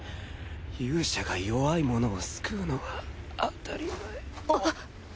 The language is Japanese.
勇者が弱い者を救うのは当たり前。